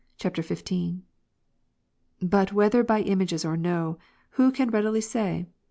] 23. But whether by images or no, who can readily say?